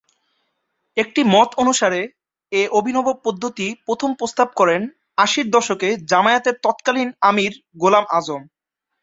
একটি মত অনুসারে এ অভিনব পদ্ধতি প্রথম প্রস্তাব করেন আশির দশকে জামায়াতের তৎকালীন আমির গোলাম আযম।